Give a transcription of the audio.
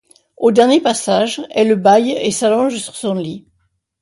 Au dernier passage, elle bâille et s'allonge sur son lit.